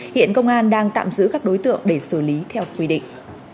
hiện công an đang tạm giữ các đối tượng để xử lý theo quy định